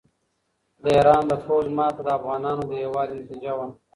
د ایران د پوځ ماته د افغانانو د یووالي نتیجه وه.